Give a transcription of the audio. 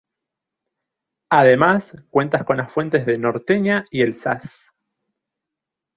Además, cuenta con las fuentes de Norteña y el Saz.